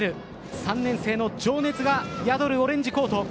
３年生の情熱が宿るオレンジコート。